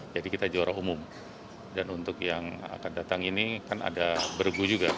jadi kita juara umum dan untuk yang akan datang ini kan ada bergu juga